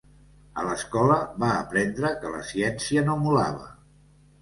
A l'escola va aprendre que la ciència no molava.